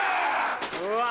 うわ！